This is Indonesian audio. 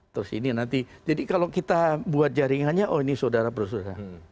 terus ini nanti jadi kalau kita buat jaringannya oh ini saudara bersuda